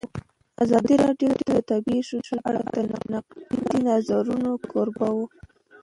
ازادي راډیو د طبیعي پېښې په اړه د نقدي نظرونو کوربه وه.